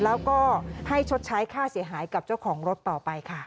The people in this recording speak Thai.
แล้วก็ให้ชดใช้ค่าเสียหายกับเจ้าของรถต่อไปค่ะ